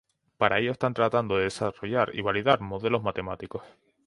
Para ello están tratando de desarrollar y validar modelos matemáticos.